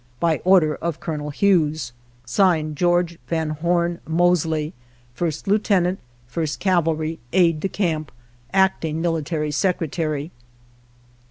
By order of Colonel Hughes. (Signed) Geo. Van Horn Moseley, 1st. Lieut. 1st Cavalry, Aide de Camp, Acting Military Secretary.